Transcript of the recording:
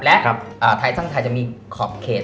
และไทยสร้างไทยจะมีขอบเขต